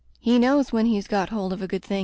"He knows when he's got hold of a good tiling."